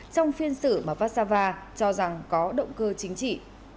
trong phiên xử mà vassava cho rằng có động cơ chính trị